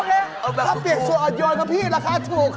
ถ้าเปลี่ยนส่วนอดโยนส์กับพี่ราคาถูก